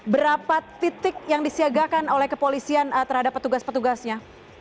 berapa titik yang disiagakan oleh kepolisian terhadap petugas petugasnya